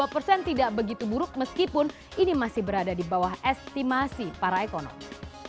dua puluh persen tidak begitu buruk meskipun ini masih berada di bawah estimasi para ekonomi